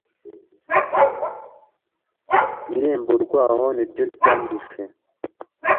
Irembo rwaho niryo ryanyishe